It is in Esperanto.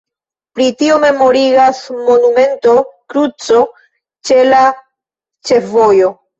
Pri tio memorigas monumento kruco ĉe la ĉefvojo.